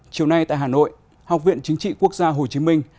chiều nay tại hà nội học viện chính trị quốc gia hồ chí minh